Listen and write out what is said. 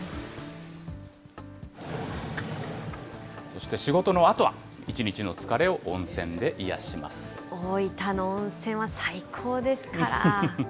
そして仕事のあとは、大分の温泉は最高ですから。